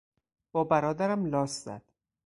با برادرم لاس زد.